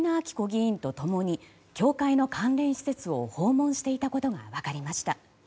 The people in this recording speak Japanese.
議員と共に教会の関連施設を訪問していたことが分かりました。